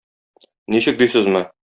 Ничек дисезме?